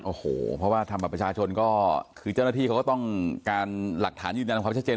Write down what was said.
โอ้โหเพราะว่าทำบัตรประชาชนก็คือเจ้าหน้าที่เขาก็ต้องการหลักฐานยืนยันความชัดเจน